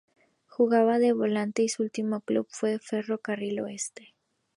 Jugaba de volante y su último club fue Ferro Carril Oeste.